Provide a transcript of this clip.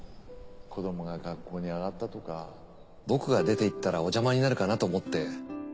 子どもが学校に上がったとか僕が出ていったらお邪魔になるかなと思って。